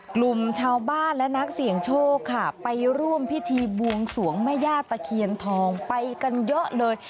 กลุ่มชาวบ้านและนักเสี่ยงโชคค่ะไปร่วมพิธีบวงสวงแม่ย่าตะเคียนทองไปกันเยอะเลย